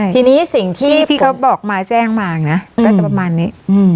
ใช่คนที่เค้าบอกมะแจ้งมากนะก็จะประมาณนี้